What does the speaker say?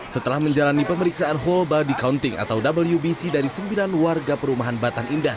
setelah menjalani pemeriksaan whole body counting atau wbc dari sembilan warga perumahan batan indah